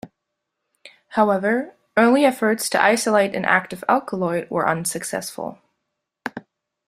However, early efforts to isolate an active alkaloid were unsuccessful.